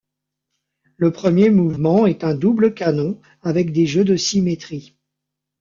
Le premier mouvement est un double canon avec des jeux de symétrie.